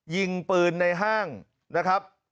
ยิงปืนในห้างนะครับ